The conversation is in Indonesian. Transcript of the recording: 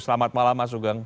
selamat malam mas sugeng